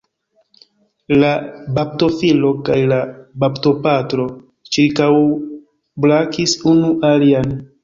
La baptofilo kaj la baptopatro ĉirkaŭbrakis unu alian.